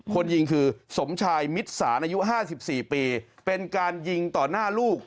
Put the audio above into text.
คนยิงคือสมชายมิตรสารอายุ๕๔ปีเป็นการยิงต่อหน้าลูก